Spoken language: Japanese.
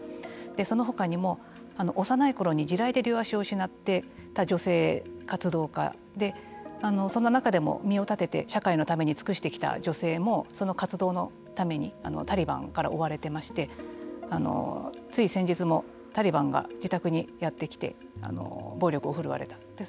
そのほかにも幼いころに地雷で両足を失った女性活動家でそんな中でも身を立てて社会のために尽くしてきた女性もその活動のためにタリバンから追われてましてつい先日もタリバンが自宅にやってきて暴力を振るわれた。